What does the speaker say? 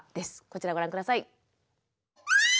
こちらをご覧下さい。